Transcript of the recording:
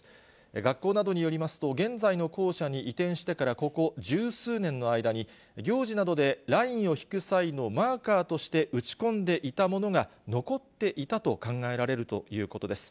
学校などによりますと、現在の校舎に移転してからここ十数年の間に、行事などでラインを引く際のマーカーとして打ち込んでいたものが残っていたと考えられるということです。